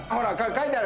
書いてある。